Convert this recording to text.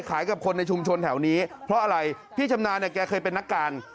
กับคนในชุมชนแถวนี้เพราะอะไรพี่ชำนาญเนี่ยแกเคยเป็นนักการ